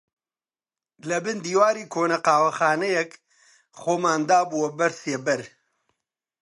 لەبن دیواری کۆنە قاوەخانەیەک خۆمان دابووە بەر سێبەر